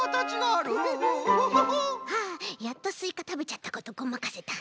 あやっとスイカたべちゃったことごまかせた。